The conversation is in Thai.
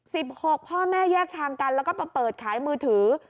หกพ่อแม่แยกทางกันแล้วก็มาเปิดขายมือถือ